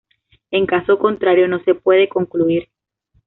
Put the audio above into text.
En caso contrario no se puede concluir.